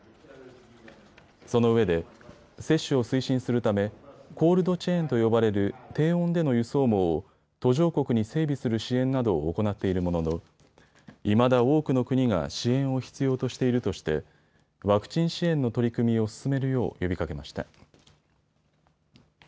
そのうえで接種を推進するためコールドチェーンと呼ばれる低温での輸送網を途上国に整備する支援などを行っているもののいまだ多くの国が支援を必要としているとしてワクチン支援の取り組みを進めるよう呼びかけました。